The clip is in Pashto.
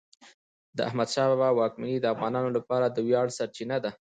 د احمدشاه بابا واکمني د افغانانو لپاره د ویاړ سرچینه ده.